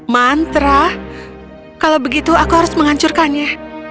mantra kalau begitu aku harus menghancurkannya